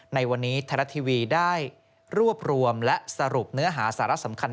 ในวันนี้ไทยรัฐทีวีได้รวบรวมและสรุปเนื้อหาสาระสำคัญ